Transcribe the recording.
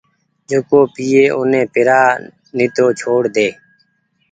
جيڪو پيئي اوني پيرآ ني تو چهوڙ ۮي